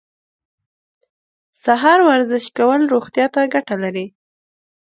سهار ورزش کول روغتیا ته ګټه لري.